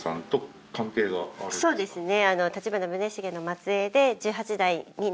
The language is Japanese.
そうですね。